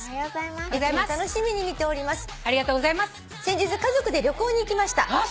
「先日家族で旅行に行きました」